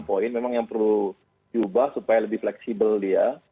poin memang yang perlu diubah supaya lebih fleksibel dia